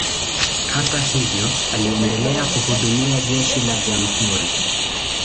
Hata hivyo, aliendelea kuhudumia jeshi la jamhuri.